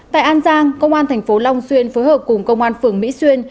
tại an giang công an thành phố long xuyên phối hợp cùng công an phường mỹ xuyên